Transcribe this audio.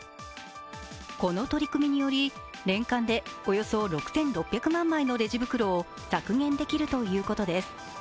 この取り組みにより、年間でおよそ６６００万枚のレジ袋を削減できるということです。